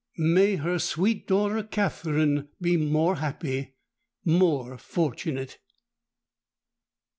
"May her sweet daughter Katharine be more happy—more fortunate!"